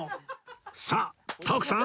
さあ徳さん！